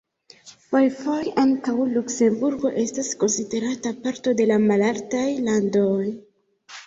Fojfoje ankaŭ Luksemburgo estas konsiderata parto de la Malaltaj Landoj.